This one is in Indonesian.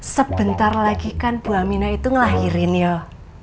sebentar lagi kan bu aminah itu ngelahirin yuk